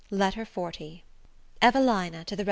LETTER XL EVELINA TO THE REV.